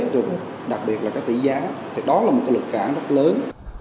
rồi đặc biệt là cái tỷ giá thì đó là một cái lực cản rất lớn